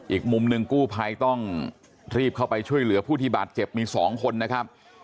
อีกมุมหนึ่งกู้ภัยต้องรีบเข้าไปช่วยเหลือผู้ที่บาดเจ็บมี๒คนนะครับ